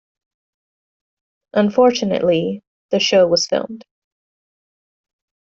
Unfortunately, the show was filmed.